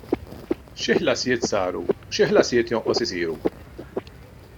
Xi ħlasijiet saru u xi ħlasijiet jonqos isiru?